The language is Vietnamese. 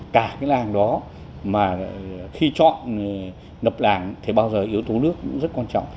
cả cái làng đó mà khi chọn lập làng thì bao giờ yếu tố nước rất quan trọng